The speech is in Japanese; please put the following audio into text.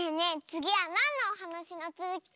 つぎはなんのおはなしのつづき